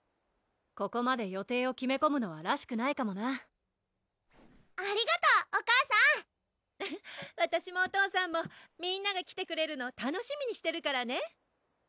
ここまで予定を決めこむのはらしくないかもなありがとうお母さんわたしもお父さんもみんなが来てくれるの楽しみにしてるからね！